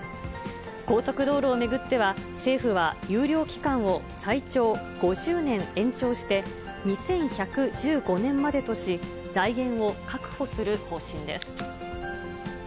高速道路を巡っては、政府は有料期間を最長５０年延長して、２１１５年までとし、財源を確保する方針です。